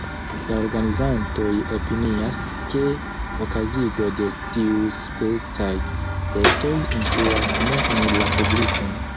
La organizantoj opinias, ke okazigo de tiuspecaj festoj influas ne nur la publikon.